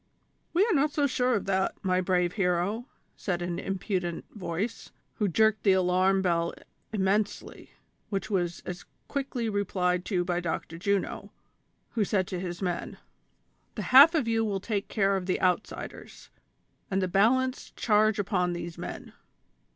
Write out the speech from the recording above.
"We are not so sure of that, my brave hero," said an impudent voice, who jerked the alarm bell immensely, which was as quickly replied to by Dr. Juno, who said to his men :" The half of you will take care of the outsiders, and the balance charge upon these men